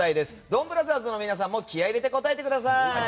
ドンブラザーズの皆さんも気合を入れて答えてください。